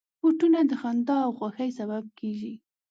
بوټونه د خندا او خوښۍ سبب کېږي.